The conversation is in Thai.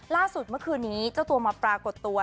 ล่าสุดเมื่อคืนนี้เจ้าตัวมาปรากฏตัว